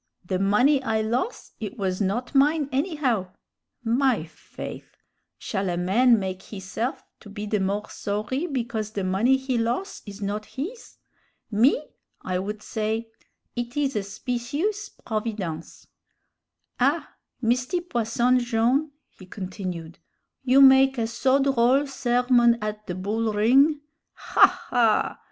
the money I los', it was not mine, anyhow!' My faith! shall a man make hisse'f to be the more sorry because the money he los' is not his? Me, I would say, 'It is a specious providence.' "Ah! Misty Posson Jone'," he continued, "you make a so droll sermon ad the bull ring. Ha! ha!